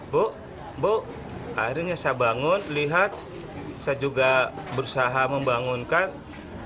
bu bu akhirnya saya bangun lihat saya juga berusaha membangunkan